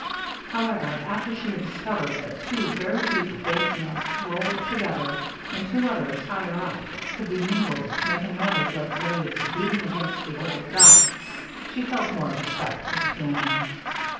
However, after she had discovered that two very deep bass notes rolled together and two others, higher up, could be mingled to make a noise like waves beating against the old dock, she felt more respect for the piano.